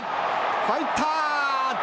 入った。